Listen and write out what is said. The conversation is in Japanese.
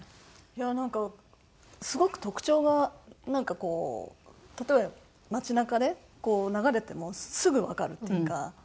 いやなんかすごく特徴がなんかこう例えば街なかで流れてもすぐわかるっていうか。